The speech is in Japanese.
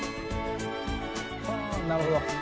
あなるほど。